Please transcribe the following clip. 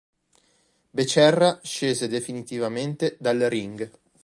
Becerra scese definitivamente dal ring.